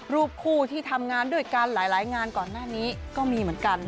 รูปคู่ที่ทำงานด้วยกันหลายงานก่อนหน้านี้ก็มีเหมือนกัน